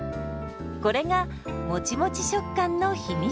これがもちもち食感の秘密。